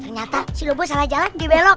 ternyata si lubu salah jalan dibelok